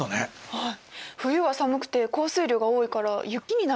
はい。